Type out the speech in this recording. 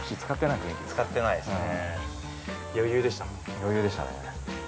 余裕でしたね。